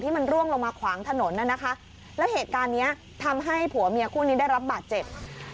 มันร่วงลงมาขวางถนนน่ะนะคะแล้วเหตุการณ์เนี้ยทำให้ผัวเมียคู่นี้ได้รับบาดเจ็บ